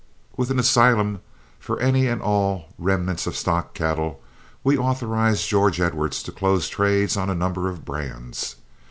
With an asylum for any and all remnants of stock cattle, we authorized George Edwards to close trades on a number of brands.